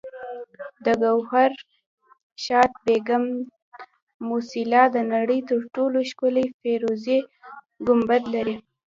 د ګوهرشاد بیګم موسیلا د نړۍ تر ټولو ښکلي فیروزي ګنبد لري